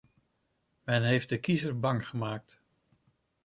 Men heeft de kiezers bang gemaakt.